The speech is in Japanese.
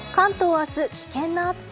明日、危険な暑さ。